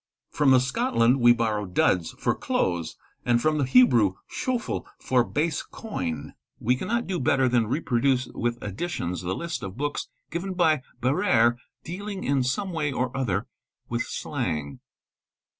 From Scotland we borrow duds, for clothes, nd from the Hebrew shoful, for base coin." We cannot do better than rep oduce with additions the list of books given by Barrére dealing in ome way or other with slang.